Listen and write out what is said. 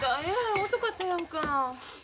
えらい遅かったやんか。